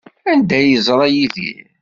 Anda ay yeẓra Yidir?